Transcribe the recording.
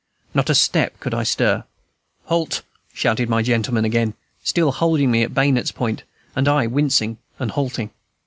Not a step could I stir. "Halt!" shouted my gentleman again, still holding me at his bayonet's point, and I wincing and halting.